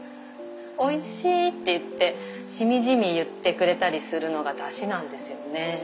「おいしい」って言ってしみじみ言ってくれたりするのがだしなんですよね。